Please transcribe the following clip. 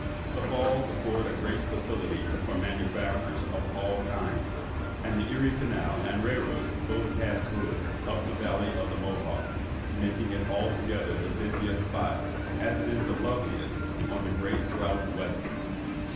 The falls afford great facilities for manufactures of all kinds, and the Erie canal and rail road both pass through it, up the Valley of the Mohawk, making it altogether the busiest spot, as it is the loveliest on the great route westward.